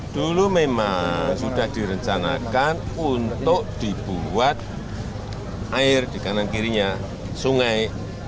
dulu memang sudah direncanakan untuk dibuat air di kanan kirinya sungai